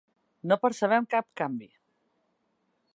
No percebem cap canvi.